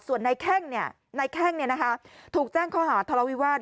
ส่วนในแข้งถูกแจ้งข้อหาทะเลวาด